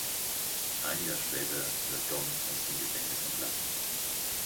Ein Jahr später wird Dom aus dem Gefängnis entlassen.